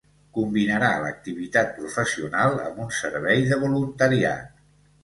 Combinarà l’activitat professional amb un servei de voluntariat.